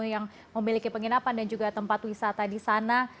yang memiliki penginapan dan juga tempat wisata di sana